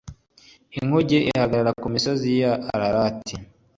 inkuge g ihagarara ku misozi ya ararati